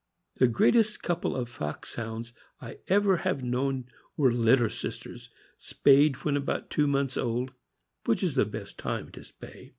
The greatest couj)le of Foxhounds I ever have known were litter sisters, spayed when about two months old, which is the best time to spay.